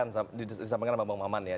tadi kan disampaikan sama bang mohamad ya